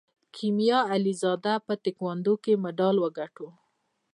کیمیا علیزاده په تکواندو کې مډال وګاټه.